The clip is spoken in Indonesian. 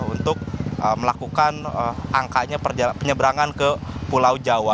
untuk melakukan angkanya penyeberangan ke pulau jawa